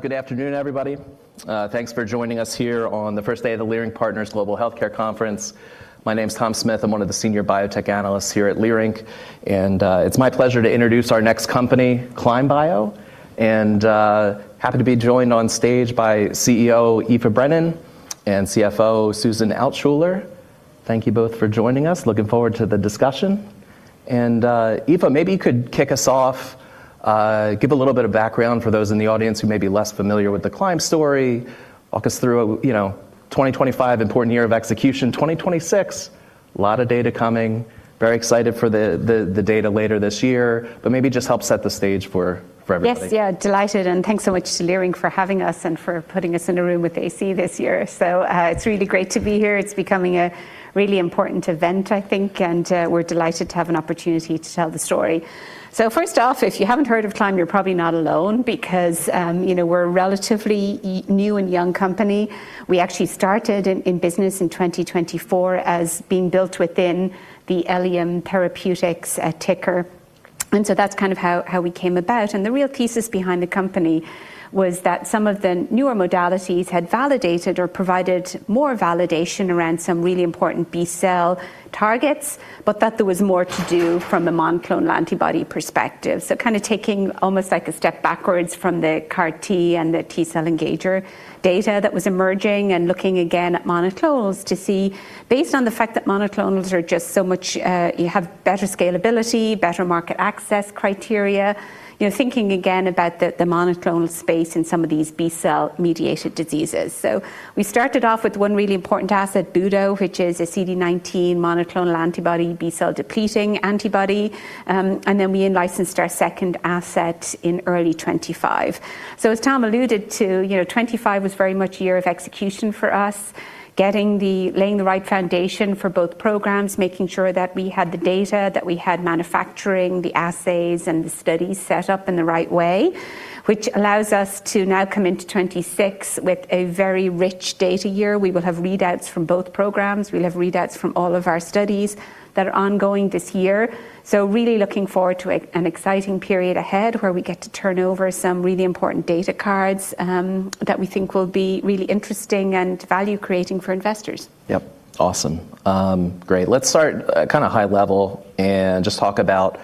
Good afternoon, everybody. Thanks for joining us here on the first day of the Leerink Partners Global Healthcare Conference. My name's Tom Smith, I'm one of the senior biotech analysts here at Leerink, and it's my pleasure to introduce our next company, Climb Bio, and happy to be joined on stage by CEO Aoife Brennan and CFO Susan Altschuller. Thank you both for joining us. Looking forward to the discussion. Aoife, maybe you could kick us off, give a little bit of background for those in the audience who may be less familiar with the Climb story. Walk us through, you know, 2025 important year of execution. 2026, lot of data coming, very excited for the data later this year, but maybe just help set the stage for everybody. Yes. Yeah, delighted, thanks so much to Leerink for having us and for putting us in a room with AC this year. It's really great to be here. It's becoming a really important event, I think, we're delighted to have an opportunity to tell the story. First off, if you haven't heard of Climb, you're probably not alone because, you know, we're a relatively new and young company. We actually started in business in 2024 as being built within the Eliem Therapeutics ticker, that's kind of how we came about. The real thesis behind the company was that some of the newer modalities had validated or provided more validation around some really important B-cell targets, but that there was more to do from the monoclonal antibody perspective. Kinda taking almost like a step backwards from the CAR-T and the T cell engager data that was emerging and looking again at monoclonals to see based on the fact that monoclonals are just so much, you have better scalability, better market access criteria, you're thinking again about the monoclonal space in some of these B-cell mediated diseases. We started off with one really important asset, budo, which is a CD19 monoclonal antibody, B-cell depleting antibody, and then we inlicensed our second asset in early 2025. As Tom alluded to, you know, 25 was very much a year of execution for us, laying the right foundation for both programs, making sure that we had the data, that we had manufacturing, the assays, and the studies set up in the right way, which allows us to now come into 26 with a very rich data year. We will have readouts from both programs. We'll have readouts from all of our studies that are ongoing this year. Really looking forward to an exciting period ahead where we get to turn over some really important data cards that we think will be really interesting and value-creating for investors. Yep. Awesome. Great. Let's start, kinda high level and just talk about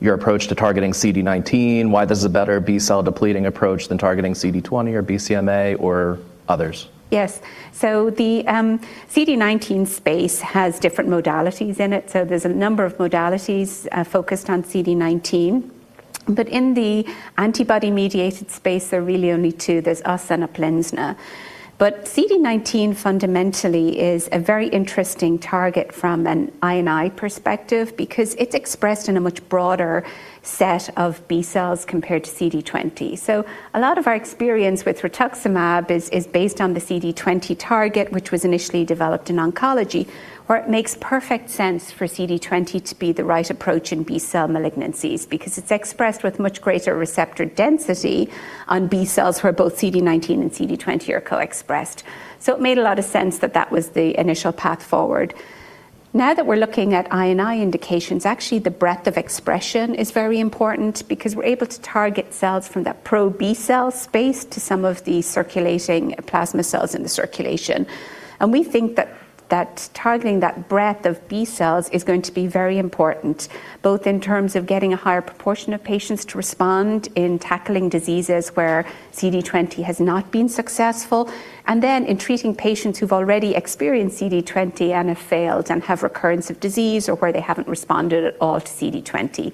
your approach to targeting CD19, why this is a better B-cell depleting approach than targeting CD20 or BCMA or others. Yes. The CD19 space has different modalities in it, there's a number of modalities focused on CD19. In the antibody-mediated space, there are really only two. There's us and UPLIZNA. CD19 fundamentally is a very interesting target from an I&I perspective because it's expressed in a much broader set of B cells compared to CD20. A lot of our experience with rituximab is based on the CD20 target, which was initially developed in oncology, where it makes perfect sense for CD20 to be the right approach in B-cell malignancies because it's expressed with much greater receptor density on B cells where both CD19 and CD20 are co-expressed. It made a lot of sense that that was the initial path forward. Now that we're looking at I&I indications, actually the breadth of expression is very important because we're able to target cells from that pro-B cell space to some of the circulating plasma cells in the circulation. We think that targeting that breadth of B cells is going to be very important, both in terms of getting a higher proportion of patients to respond in tackling diseases where CD20 has not been successful, and then in treating patients who've already experienced CD20 and have failed and have recurrence of disease or where they haven't responded at all to CD20.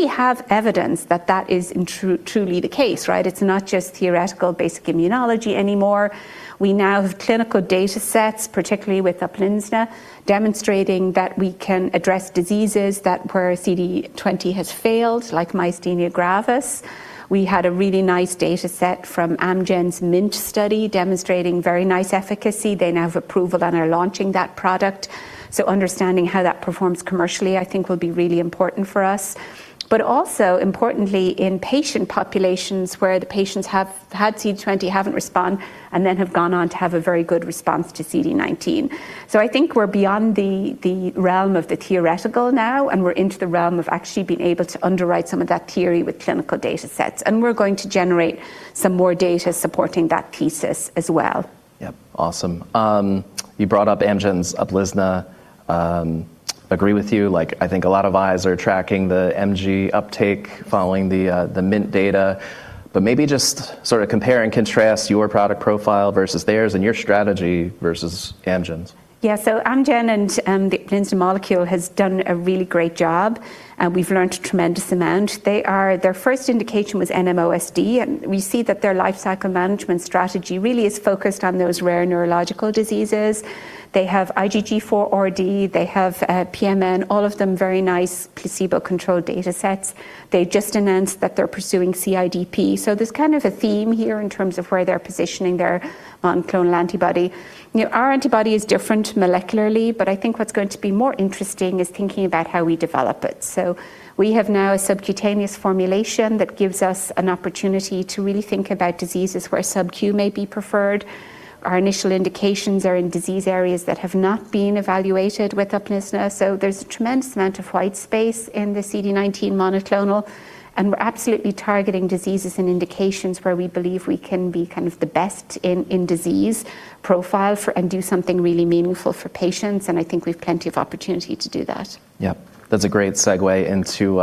We have evidence that that is truly the case, right? It's not just theoretical basic immunology anymore. We now have clinical data sets, particularly with UPLIZNA, demonstrating that we can address diseases that where CD20 has failed, like myasthenia gravis. We had a really nice data set from Amgen's MINCH study demonstrating very nice efficacy. They now have approval and are launching that product. Understanding how that performs commercially, I think, will be really important for us. Also importantly in patient populations where the patients have had CD20, haven't respond, and then have gone on to have a very good response to CD19. I think we're beyond the realm of the theoretical now, and we're into the realm of actually being able to underwrite some of that theory with clinical data sets, and we're going to generate some more data supporting that thesis as well. Awesome. You brought up Amgen's UPLIZNA. Agree with you. Like, I think a lot of eyes are tracking the MG uptake, following the MINT data, but maybe just sort of compare and contrast your product profile versus theirs and your strategy versus Amgen's? Yeah, Amgen and the UPLIZNA molecule has done a really great job, and we've learned a tremendous amount. Their first indication was NMOSD, and we see that their lifecycle management strategy really is focused on those rare neurological diseases. They have IgG4-RD, they have PMN, all of them very nice placebo-controlled data sets. They've just announced that they're pursuing CIDP. There's kind of a theme here in terms of where they're positioning their monoclonal antibody. You know, our antibody is different molecularly, but I think what's going to be more interesting is thinking about how we develop it. We have now a subcutaneous formulation that gives us an opportunity to really think about diseases where subq may be preferred. Our initial indications are in disease areas that have not been evaluated with UPLIZNA. There's a tremendous amount of white space in the CD19 monoclonal. We're absolutely targeting diseases and indications where we believe we can be kind of the best in disease profile and do something really meaningful for patients. I think we've plenty of opportunity to do that. Yep. That's a great segue into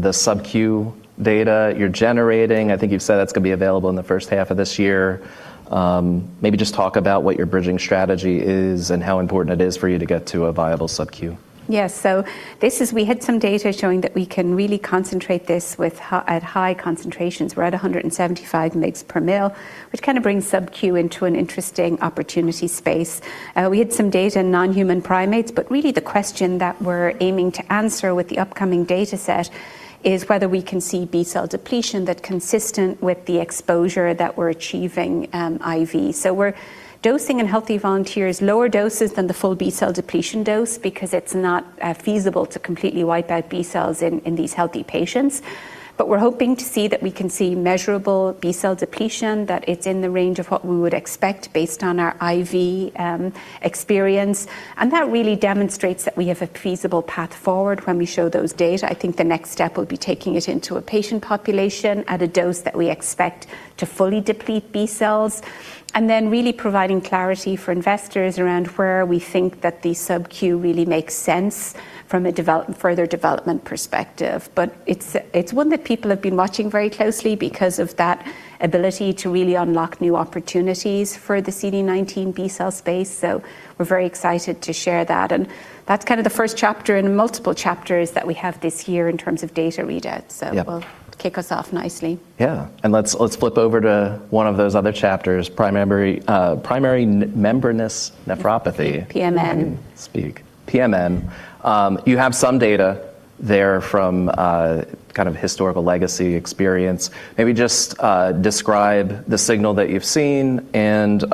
the subq data you're generating. I think you've said that's gonna be available in the first half of this year. Maybe just talk about what your bridging strategy is and how important it is for you to get to a viable subq? Yeah. We had some data showing that we can really concentrate this at high concentrations. We're at 175 mg/mL, which kind of brings subq into an interesting opportunity space. We had some data in non-human primates, really the question that we're aiming to answer with the upcoming dataset is whether we can see B-cell depletion that's consistent with the exposure that we're achieving IV. We're dosing in healthy volunteers lower doses than the full B-cell depletion dose because it's not feasible to completely wipe out B cells in these healthy patients. We're hoping to see that we can see measurable B-cell depletion, that it's in the range of what we would expect based on our IV experience, and that really demonstrates that we have a feasible path forward when we show those data. I think the next step would be taking it into a patient population at a dose that we expect to fully deplete B cells, and then really providing clarity for investors around where we think that the subq really makes sense from a further development perspective. It's one that people have been watching very closely because of that ability to really unlock new opportunities for the CD19 B-cell space. We're very excited to share that, and that's kind of the first chapter in multiple chapters that we have this year in terms of data readouts. Yep. It will kick us off nicely. Yeah. let's flip over to one of those other chapters, primary membranous nephropathy. PMN. I can speak. PMN. You have some data there from kind of historical legacy experience. Maybe just describe the signal that you've seen and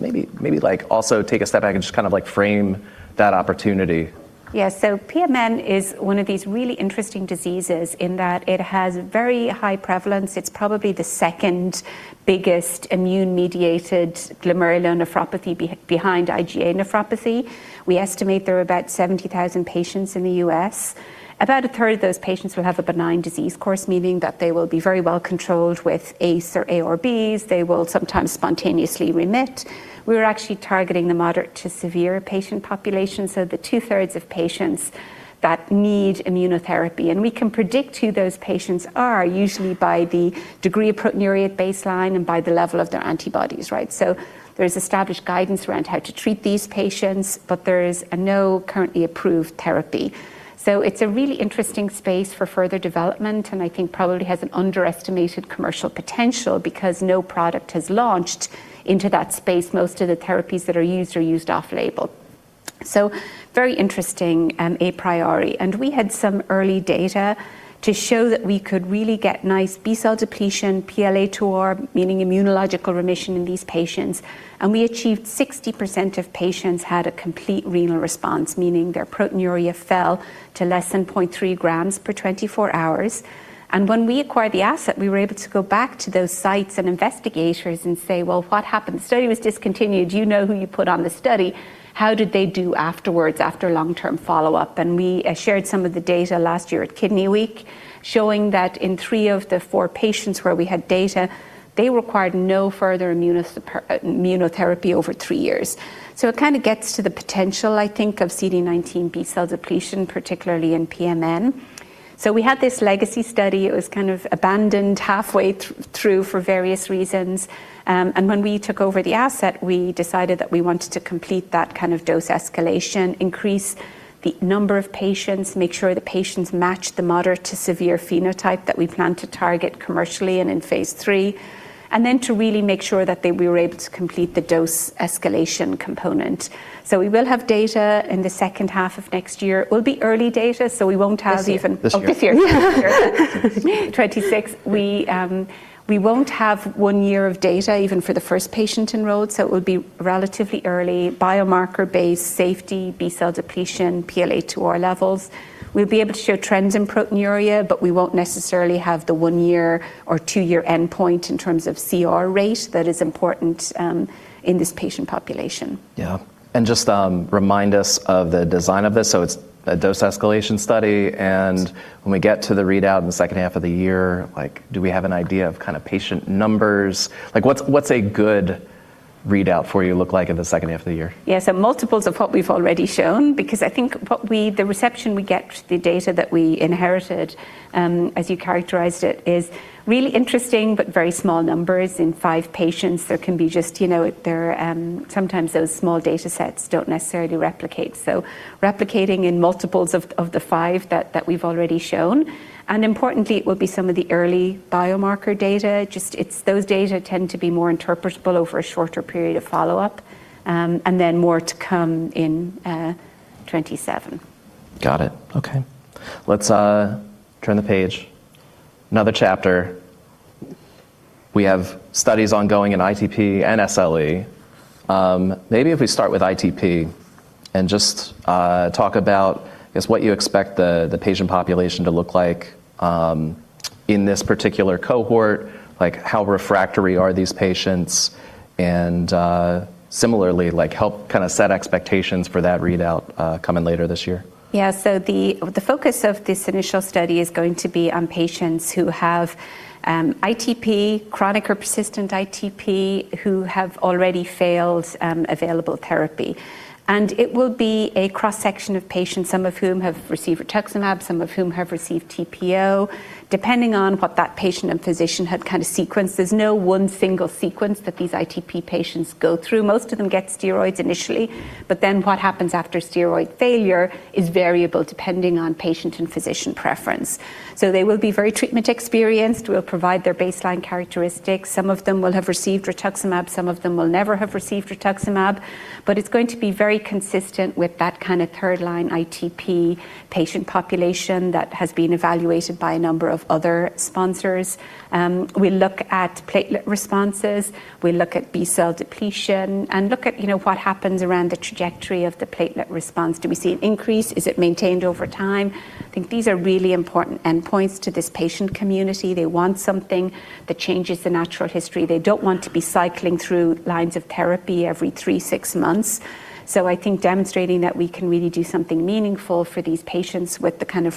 maybe like also take a step back and just kind of like frame that opportunity. Yeah. PMN is one of these really interesting diseases in that it has very high prevalence. It's probably the second biggest immune-mediated glomerular nephropathy behind IgA nephropathy. We estimate there are about 70,000 patients in the U.S. About a third of those patients will have a benign disease course, meaning that they will be very well controlled with ACE or A or Bs. They will sometimes spontaneously remit. We're actually targeting the moderate to severe patient population, so the two-thirds of patients that need immunotherapy, and we can predict who those patients are usually by the degree of proteinuria at baseline and by the level of their antibodies, right? There's established guidance around how to treat these patients, but there is no currently approved therapy. It's a really interesting space for further development, and I think probably has an underestimated commercial potential because no product has launched into that space. Most of the therapies that are used are used off-label. Very interesting, a priori. We had some early data to show that we could really get nice B-cell depletion, PLA2R, meaning immunological remission in these patients, and we achieved 60% of patients had a complete renal response, meaning their proteinuria fell to less than 0.3 grams per 24 hours. When we acquired the asset, we were able to go back to those sites and investigators and say, "Well, what happened? The study was discontinued. Do you know who you put on the study? How did they do afterwards after long-term follow-up? We shared some of the data last year at Kidney Week showing that in 3 of the 4 patients where we had data, they required no further immunotherapy over 3 years. It kind of gets to the potential, I think, of CD19 B-cell depletion, particularly in PMN. We had this legacy study. It was kind of abandoned halfway through for various reasons, and when we took over the asset, we decided that we wanted to complete that kind of dose escalation, increase the number of patients, make sure the patients matched the moderate to severe phenotype that we plan to target commercially and in phase 3, and then to really make sure that we were able to complete the dose escalation component. We will have data in the second half of next year. It will be early data, so we won't have. This year. This year. 26th. We won't have 1 year of data even for the first patient enrolled, so it would be relatively early biomarker-based safety, B-cell depletion, PLA2R levels. We'll be able to show trends in proteinuria, but we won't necessarily have the 1-year or 2-year endpoint in terms of CR rate that is important in this patient population. Yeah. Just remind us of the design of this. It's a dose escalation study, and when we get to the readout in the second half of the year, like, do we have an idea of kind of patient numbers? What's a good readout for you look like in the second half of the year? Multiples of what we've already shown because I think the reception we get, the data that we inherited, as you characterized it, is really interesting but very small numbers in 5 patients. There can be just, you know, sometimes those small data sets don't necessarily replicate. Replicating in multiples of the 5 we've already shown, and importantly it will be some of the early biomarker data. Those data tend to be more interpretable over a shorter period of follow-up, and then more to come in 2027. Got it. Okay. Let's turn the page. Another chapter. We have studies ongoing in ITP and SLE. Maybe if we start with ITP and just talk about I guess what you expect the patient population to look like in this particular cohort, like how refractory are these patients and similarly, like, help kinda set expectations for that readout coming later this year. The, the focus of this initial study is going to be on patients who have ITP, chronic or persistent ITP, who have already failed available therapy. It will be a cross-section of patients, some of whom have received rituximab, some of whom have received TPO, depending on what that patient and physician had kind of sequenced. There's no 1 single sequence that these ITP patients go through. Most of them get steroids initially, what happens after steroid failure is variable depending on patient and physician preference. They will be very treatment experienced. We'll provide their baseline characteristics. Some of them will have received rituximab. Some of them will never have received rituximab, it's going to be very consistent with that kind of 3rd line ITP patient population that has been evaluated by a number of other sponsors. We look at platelet responses. We look at B cell depletion and look at, you know, what happens around the trajectory of the platelet response. Do we see an increase? Is it maintained over time? I think these are really important endpoints to this patient community. They want something that changes the natural history. They don't want to be cycling through lines of therapy every 3-6 months. I think demonstrating that we can really do something meaningful for these patients with the kind of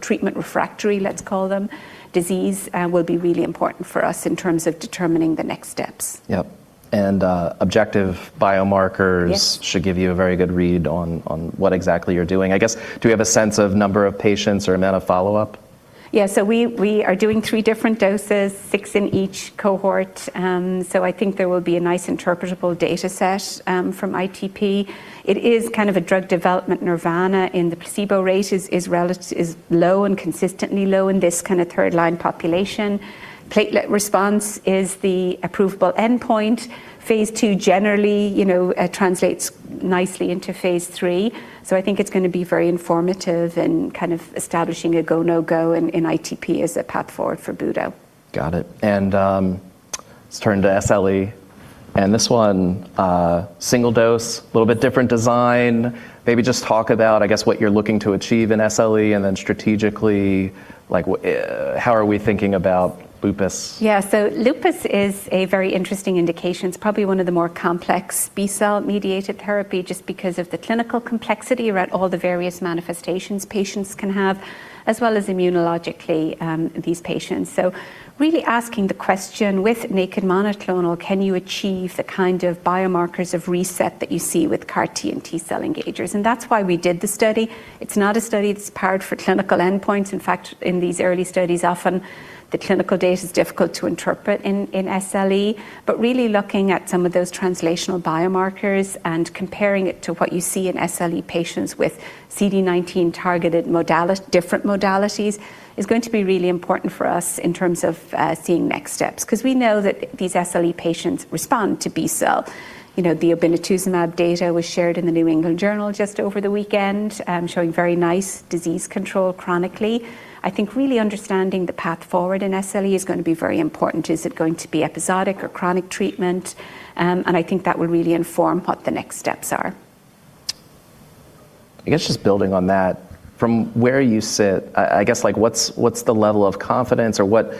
treatment refractory, let's call them, disease, will be really important for us in terms of determining the next steps. Yep. objective biomarkers-. Yes should give you a very good read on what exactly you're doing. I guess, do we have a sense of number of patients or amount of follow-up? We are doing 3 different doses, 6 in each cohort, so I think there will be a nice interpretable data set from ITP. It is kind of a drug development nirvana in the placebo rate is low and consistently low in this kind of third line population. Platelet response is the approvable endpoint. Phase 2 generally, you know, translates nicely into phase 3. I think it's gonna be very informative in kind of establishing a go, no go in ITP as a path forward for budoprutug. Got it. Let's turn to SLE. This one, single dose, a little bit different design. Maybe just talk about, I guess, what you're looking to achieve in SLE and then strategically, like, what, how are we thinking about lupus? Lupus is a very interesting indication. It's probably one of the more complex B-cell mediated therapy just because of the clinical complexity around all the various manifestations patients can have, as well as immunologically, these patients. Really asking the question, with naked monoclonal, can you achieve the kind of biomarkers of reset that you see with CAR-T and T cell engagers? That's why we did the study. It's not a study that's powered for clinical endpoints. In fact, in these early studies, often the clinical data is difficult to interpret in SLE. Really looking at some of those translational biomarkers and comparing it to what you see in SLE patients with CD19 targeted different modalities is going to be really important for us in terms of seeing next steps. We know that these SLE patients respond to B cell. You know, the obinutuzumab data was shared in The New England Journal just over the weekend, showing very nice disease control chronically. I think really understanding the path forward in SLE is gonna be very important. Is it going to be episodic or chronic treatment? I think that will really inform what the next steps are. I guess just building on that, from where you sit, I guess, like, what's the level of confidence or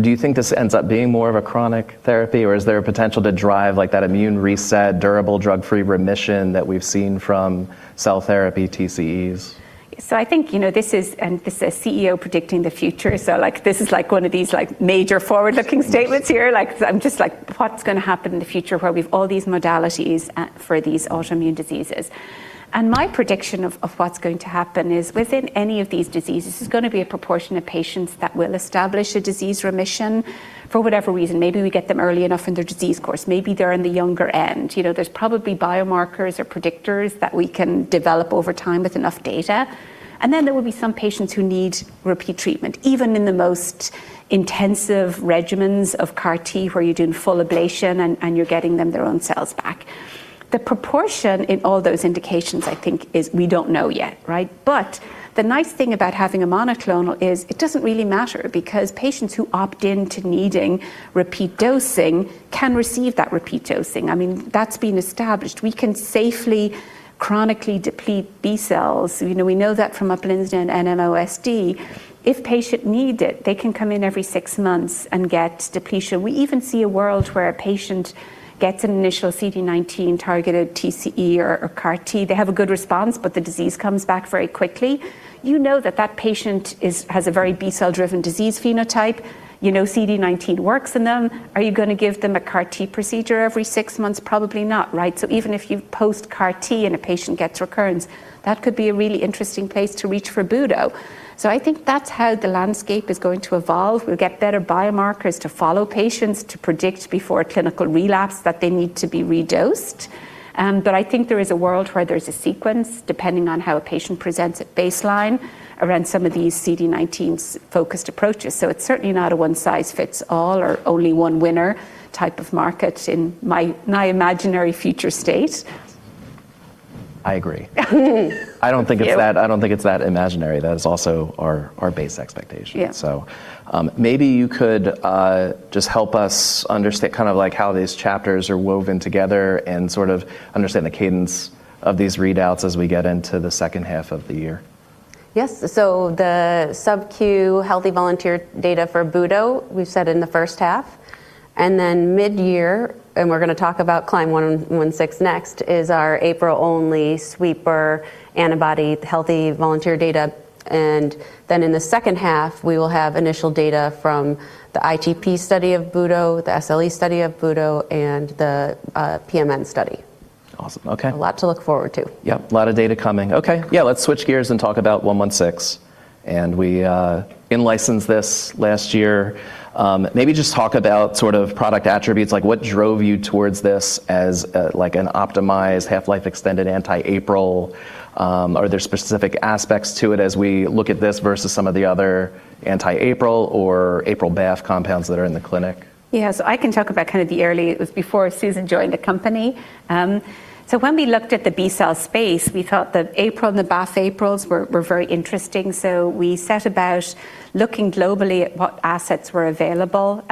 do you think this ends up being more of a chronic therapy, or is there a potential to drive, like, that immune reset, durable drug-free remission that we've seen from cell therapy TCEs? I think, you know, this is and this is CEO predicting the future, like, this is like one of these, like, major forward-looking statements here. I'm just like, what's gonna happen in the future where we have all these modalities for these autoimmune diseases? My prediction of what's going to happen is within any of these diseases, there's gonna be a proportion of patients that will establish a disease remission for whatever reason. Maybe we get them early enough in their disease course. Maybe they're in the younger end. You know, there's probably biomarkers or predictors that we can develop over time with enough data. Then there will be some patients who need repeat treatment, even in the most intensive regimens of CAR-T, where you're doing full ablation and you're getting them their own cells back. The proportion in all those indications, I think, is we don't know yet, right? The nice thing about having a monoclonal is it doesn't really matter because patients who opt in to needing repeat dosing can receive that repeat dosing. I mean, that's been established. We can safely chronically deplete B cells. You know, we know that from UPLIZNA and NMOSD. If patient need it, they can come in every six months and get depletion. We even see a world where a patient gets an initial CD19 targeted TCE or CAR-T. They have a good response, the disease comes back very quickly. You know that patient has a very B-cell driven disease phenotype. You know CD19 works in them. Are you gonna give them a CAR-T procedure every six months? Probably not, right? Even if you post-CAR-T and a patient gets recurrence, that could be a really interesting place to reach for budoprutug. I think that's how the landscape is going to evolve. We'll get better biomarkers to follow patients to predict before a clinical relapse that they need to be redosed. But I think there is a world where there's a sequence, depending on how a patient presents at baseline around some of these CD19s focused approaches. It's certainly not a one size fits all or only one winner type of market in my imaginary future state. I agree. I don't think it's. Yeah. I don't think it's that imaginary. That is also our base expectation. Yeah. maybe you could just help us understand kind of like how these chapters are woven together and sort of understand the cadence of these readouts as we get into the second half of the year. The subq healthy volunteer data for budo, we've said in the first half. Midyear, and we're gonna talk about CLYM116 next, is our APRIL only sweeper antibody, healthy volunteer data. In the second half, we will have initial data from the ITP study of budo, the SLE study of budo, and the PMN study. Awesome. Okay. A lot to look forward to. Yep. A lot of data coming. Okay. Yeah. Let's switch gears and talk about 116, and we in-licensed this last year. Maybe just talk about sort of product attributes, like what drove you towards this as a, like, an optimized half-life extended anti-APRIL. Are there specific aspects to it as we look at this versus some of the other anti-APRIL or APRIL BAFF compounds that are in the clinic? Yeah. I can talk about kind of the early. It was before Susan Altschuller joined the company. When we looked at the B-cell space, we felt that APRIL and the BAFF-APRILs were very interesting. We set about looking globally at what assets were available.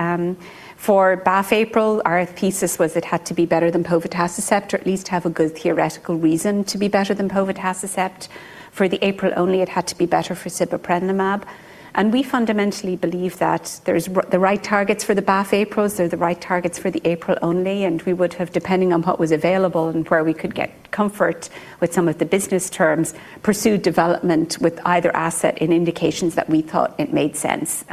For BAFF-APRIL, our thesis was it had to be better than povetacicept or at least have a good theoretical reason to be better than povetacicept. For the APRIL only, it had to be better for sibeprenlimab. We fundamentally believe that there's the right targets for the BAFF-APRILs. They're the right targets for the APRIL only, and we would have, depending on what was available and where we could get comfort with some of the business terms, pursue development with either asset in indications that we thought it made sense.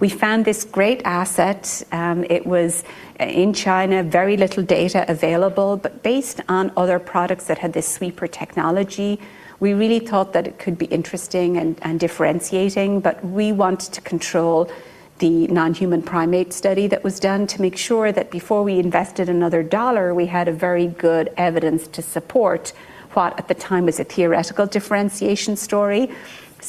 We found this great asset. It was in China, very little data available, based on other products that had this sweeper technology, we really thought that it could be interesting and differentiating. We wanted to control the non-human primate study that was done to make sure that before we invested another $1, we had a very good evidence to support what at the time was a theoretical differentiation story.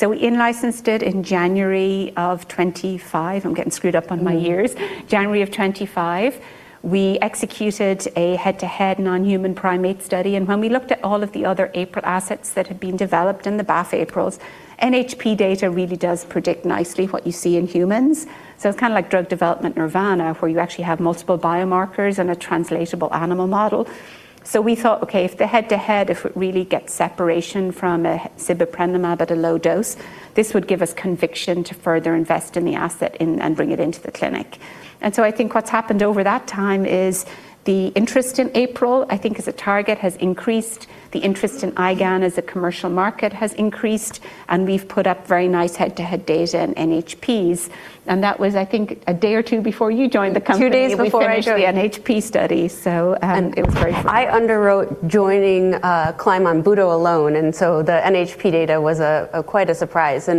We in-licensed it in January of 2025. I'm getting screwed up on my years. January of 2025, we executed a head-to-head non-human primate study, when we looked at all of the other APRIL assets that had been developed in the BAFF-APRILs, NHP data really does predict nicely what you see in humans. It's kinda like drug development nirvana, where you actually have multiple biomarkers and a translatable animal model. We thought, "Okay, if the head-to-head, if it really gets separation from a sibeprenlimab at a low dose, this would give us conviction to further invest in the asset and bring it into the clinic." I think what's happened over that time is the interest in APRIL, I think as a target, has increased. The interest in IgAN as a commercial market has increased, and we've put up very nice head-to-head data in NHPs. That was, I think, a day or 2 before you joined the company. 2 days before I joined the NHP study. It was very short. I underwrote joining Climb Bio on budoprutug alone, the NHP data was quite a surprise.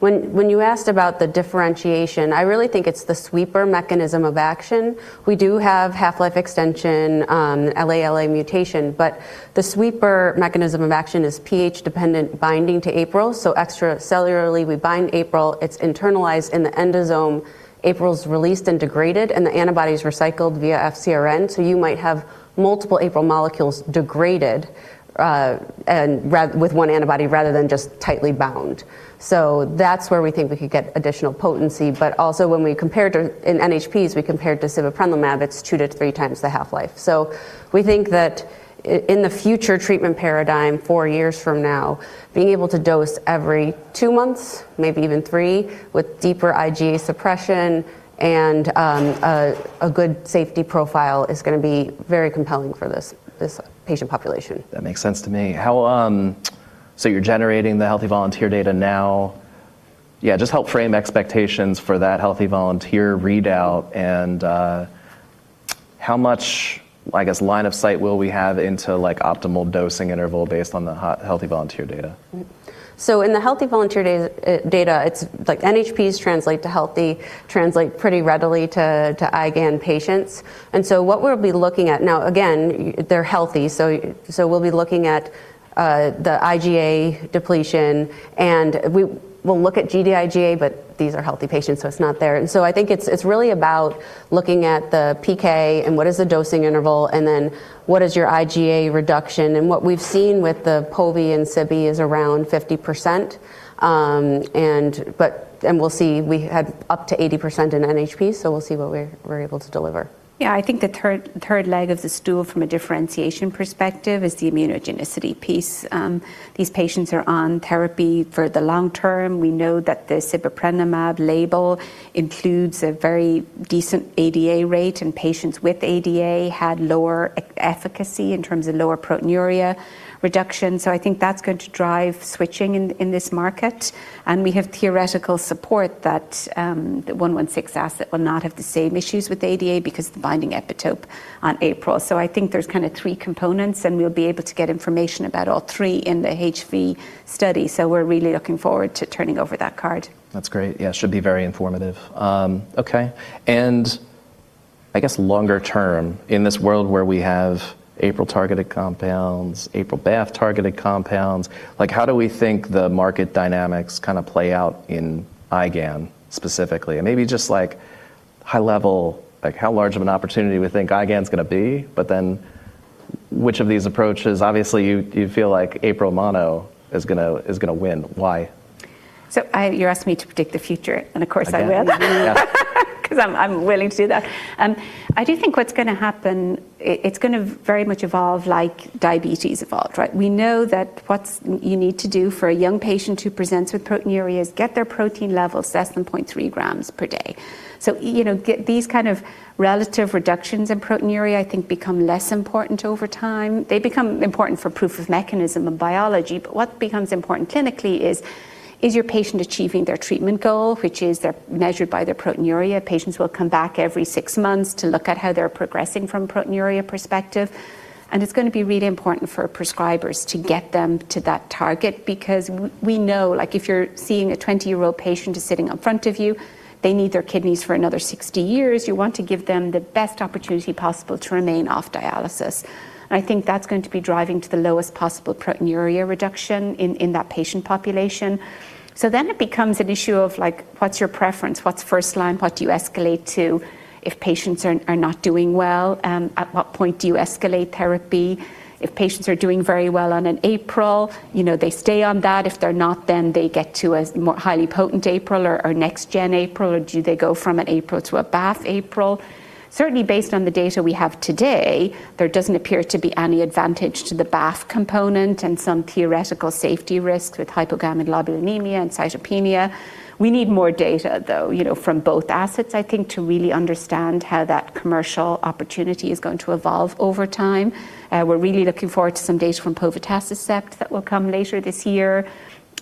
When you asked about the differentiation, I really think it's the sweeper mechanism of action. We do have half-life extension, LALA mutation, the sweeper mechanism of action is pH dependent binding to APRIL. Extracellularly, we bind APRIL, it's internalized in the endosome, APRIL's released and degraded, and the antibody's recycled via FcRn. You might have multiple APRIL molecules degraded with one antibody rather than just tightly bound. That's where we think we could get additional potency. Also when we compared in NHPs, we compared to sibeprenlimab, it's 2-3 times the half-life. We think that in the future treatment paradigm, 4 years from now, being able to dose every 2 months, maybe even 3, with deeper IgA suppression and a good safety profile is going to be very compelling for this patient population. That makes sense to me. How, you're generating the healthy volunteer data now. Yeah, just help frame expectations for that healthy volunteer readout and, how much, I guess, line of sight will we have into, like, optimal dosing interval based on the healthy volunteer data? In the healthy volunteer data, it's like NHPs translate to healthy, translate pretty readily to IgAN patients. What we'll be looking at. Now again, they're healthy, so we'll be looking at the IgA depletion and we will look at Gd-IgA1, but these are healthy patients, so it's not there. I think it's really about looking at the PK and what is the dosing interval, and then what is your IgA reduction. What we've seen with the Povi and Sibi is around 50%, and we'll see. We had up to 80% in NHP, so we'll see what we're able to deliver. I think the third leg of the stool from a differentiation perspective is the immunogenicity piece. These patients are on therapy for the long term. We know that the sibeprenlimab label includes a very decent ADA rate, and patients with ADA had lower efficacy in terms of lower proteinuria reduction. I think that's going to drive switching in this market. We have theoretical support that the 116 asset will not have the same issues with ADA because of the binding epitope on APRIL. I think there's kinda 3 components, and we'll be able to get information about all 3 in the HV study. We're really looking forward to turning over that card. That's great. Yeah, should be very informative. Okay. I guess longer term in this world where we have APRIL targeted compounds, APRIL BAFF targeted compounds, like how do we think the market dynamics kinda play out in IgAN specifically? Maybe just like high level, like how large of an opportunity we think IgAN's gonna be, but then which of these approaches. Obviously you feel like APRIL mono is gonna win. Why? You're asking me to predict the future, and of course I will. Yeah. I'm willing to do that. I do think it's gonna very much evolve like diabetes evolved, right? We know that you need to do for a young patient who presents with proteinuria is get their protein level less than 0.3 grams per day. You know, get these kind of relative reductions in proteinuria I think become less important over time. They become important for proof of mechanism in biology. What becomes important clinically is your patient achieving their treatment goal, which is they're measured by their proteinuria. Patients will come back every 6 months to look at how they're progressing from proteinuria perspective. It's gonna be really important for prescribers to get them to that target because we know like if you're seeing a 20-year-old patient just sitting in front of you, they need their kidneys for another 60 years. You want to give them the best opportunity possible to remain off dialysis. I think that's going to be driving to the lowest possible proteinuria reduction in that patient population. It becomes an issue of like, what's your preference? What's first line? What do you escalate to if patients are not doing well? At what point do you escalate therapy? If patients are doing very well on an APRIL, you know, they stay on that. If they're not, then they get to a more highly potent APRIL or next gen APRIL. Do they go from an APRIL to a BAFF/APRIL? Certainly based on the data we have today, there doesn't appear to be any advantage to the BAFF component and some theoretical safety risks with hypogammaglobulinemia and cytopenia. We need more data, though, you know, from both assets, I think, to really understand how that commercial opportunity is going to evolve over time. We're really looking forward to some data from povetacicept that will come later this year,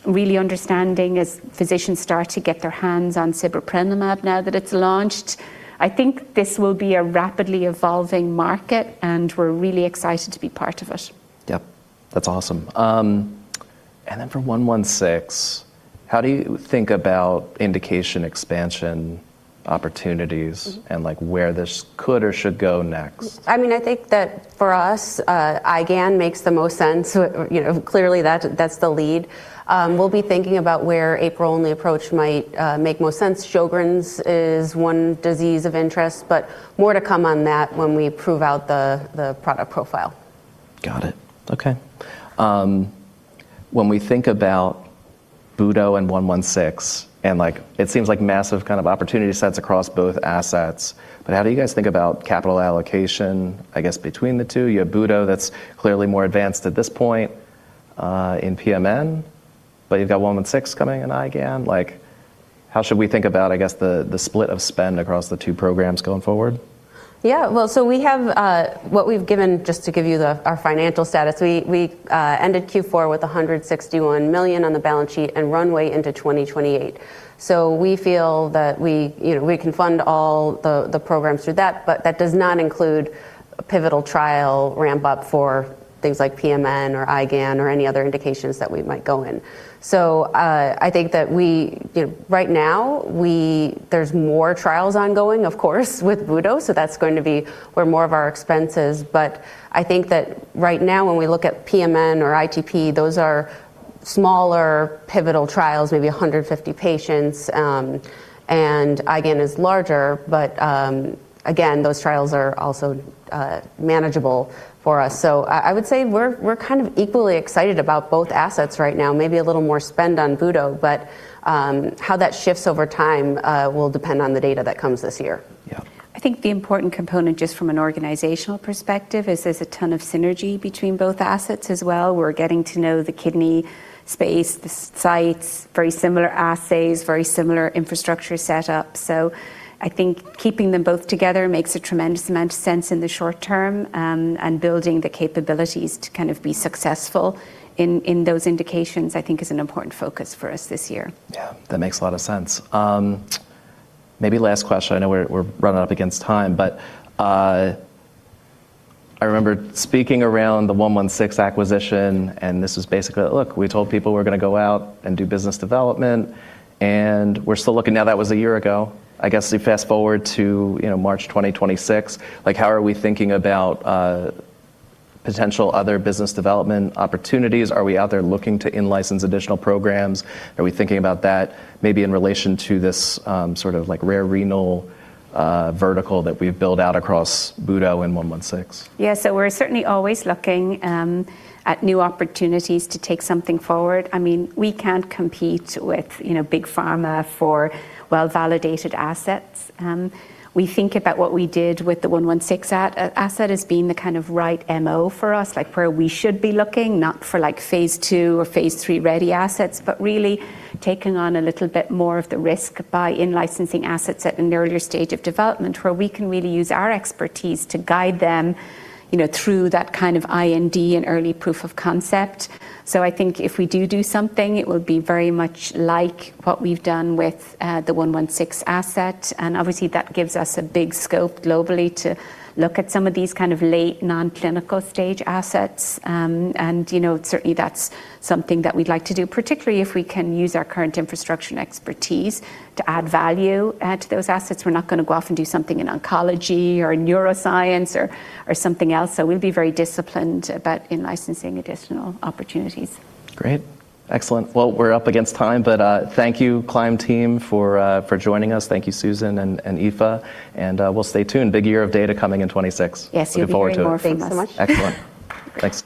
really understanding as physicians start to get their hands on sibeprenlimab now that it's launched. I think this will be a rapidly evolving market, and we're really excited to be part of it. Yep. That's awesome. Then for CLYM116, how do you think about indication expansion opportunities- Mm-hmm. Like, where this could or should go next? I mean, I think that for us, IgAN makes the most sense. You know, clearly that's the lead. We'll be thinking about where APRIL-only approach might make most sense. Sjögren's is one disease of interest, but more to come on that when we prove out the product profile. Got it. Okay. When we think about budoprutug and like CLYM116, and like, it seems like massive kind of opportunity sets across both assets, how do you guys think about capital allocation, I guess, between the two? You have budoprutug that's clearly more advanced at this point in PMN. You've got CLYM116 coming in IgAN. Like, how should we think about, I guess, the split of spend across the two programs going forward? Well, we have what we've given just to give you our financial status, we ended Q4 with $161 million on the balance sheet and runway into 2028. We feel that we, you know, we can fund all the programs through that, but that does not include a pivotal trial ramp-up for things like PMN or IgAN or any other indications that we might go in. I think that we, you know, right now, there's more trials ongoing, of course, with Vuto, that's going to be where more of our expenses. I think that right now when we look at PMN or ITP, those are smaller pivotal trials, maybe 150 patients. IgAN is larger, again, those trials are also manageable for us. I would say we're kind of equally excited about both assets right now. Maybe a little more spend on budoprutug, but how that shifts over time will depend on the data that comes this year. Yeah. I think the important component just from an organizational perspective is there's a ton of synergy between both assets as well. We're getting to know the kidney space, the sites, very similar assays, very similar infrastructure set up. I think keeping them both together makes a tremendous amount of sense in the short term, and building the capabilities to kind of be successful in those indications, I think is an important focus for us this year. Yeah. That makes a lot of sense. Maybe last question. I know we're running up against time, but I remember speaking around the CLYM116 acquisition, and this was basically, look, we told people we're going to go out and do business development, and we're still looking. That was 1 year ago. I guess we fast-forward to, you know, March 2026. Like, how are we thinking about potential other business development opportunities? Are we out there looking to in-license additional programs? Are we thinking about that maybe in relation to this, sort of like rare renal vertical that we've built out across Vuto and CLYM116? Yeah. We're certainly always looking at new opportunities to take something forward. I mean, we can't compete with, you know, big pharma for well-validated assets. We think about what we did with the 116 asset as being the kind of right MO for us, like where we should be looking, not for like phase 2 or phase 3-ready assets, but really taking on a little bit more of the risk by in-licensing assets at an earlier stage of development where we can really use our expertise to guide them, you know, through that kind of IND and early proof of concept. I think if we do do something, it would be very much like what we've done with the 116 asset, and obviously that gives us a big scope globally to look at some of these kind of late non-clinical stage assets. You know, certainly that's something that we'd like to do, particularly if we can use our current infrastructure and expertise to add value to those assets. We're not gonna go off and do something in oncology or neuroscience or something else. We'll be very disciplined about in-licensing additional opportunities. Great. Excellent. Well, we're up against time, but thank you Climb team for joining us. Thank you, Susan and Aoife. We'll stay tuned. Big year of data coming in 2026. Yes. Looking forward to it. You'll be hearing more from us. Thanks so much. Excellent. Thanks.